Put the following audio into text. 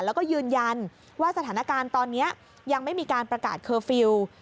แล้วก็ยืนยันว่าสถานการณ์ตอนนี้ยังไม่มีการประกาศเคอร์ฟิลล์